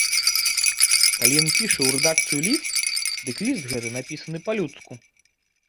Калі ён піша ў рэдакцыю ліст, дык ліст гэты напісаны па-людску.